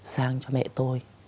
sang cho mẹ tôi